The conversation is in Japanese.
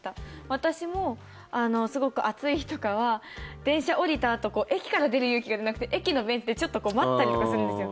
私も、すごく暑い日とかは電車を降りたあと駅から出る勇気がなくて駅のベンチでちょっと待ったりとかするんですよ。